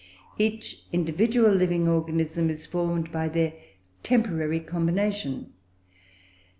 Each individual living organism is formed by their temporary combination.